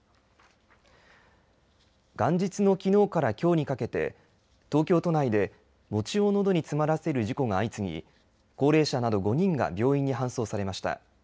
元日のきのうからきょうにかけて東京都内で餅をのどに詰まらせる事故が相次ぎ、高齢者など５人が病院に搬送されました。